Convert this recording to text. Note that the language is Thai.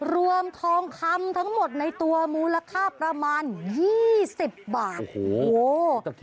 รวมทองคำทั้งหมดในตัวมูลค่าประมาณ๒๐บาทโอ้โห